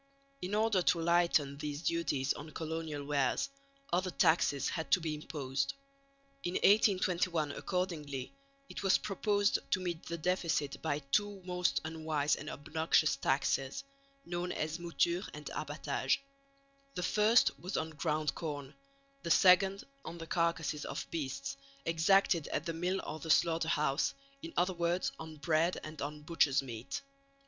In order to lighten these duties on colonial wares, other taxes had to be imposed. In 1821 accordingly it was proposed to meet the deficit by two most unwise and obnoxious taxes, known as mouture and abbatage. The first was on ground corn, the second on the carcases of beasts, exacted at the mill or the slaughter house in other words on bread and on butcher's meat.